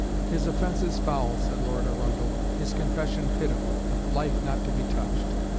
"His offences foul," said Lord Arundel; "his confession pitiful. Life not to be touched."